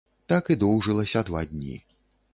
Так і доўжылася два дні.